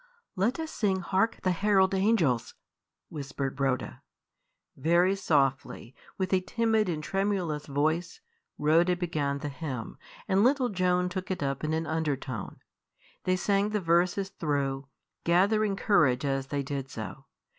"Let us sing 'Hark! the herald angels!'" whispered Rhoda. Very softly, with a timid and tremulous voice, Rhoda began the hymn, and little Joan took it up in an undertone. They sang the verses through, gathering courage as they did so.